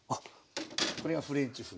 これがフレンチ風。